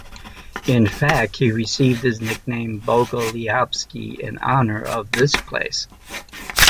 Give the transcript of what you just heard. In fact he received his nickname "Bogolyubsky" in honor of this place.